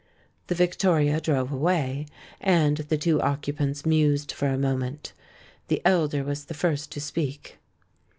The victoria drove away; and the two occu pants mused for a moment. The elder was the first to speak.